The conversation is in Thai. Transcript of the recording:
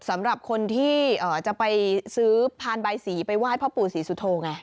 สำหรับคนที่จะไปซื้อพานใบสีไปไหว้พ่อปู่ศรีสุโธไง